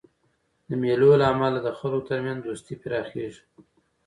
د مېلو له امله د خلکو ترمنځ دوستي پراخېږي.